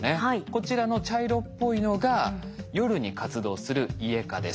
こちらの茶色っぽいのが夜に活動するイエカです。